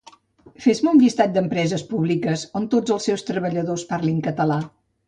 Fes-me un llistat d'empreses publiques on tots els seus treballadors parlin català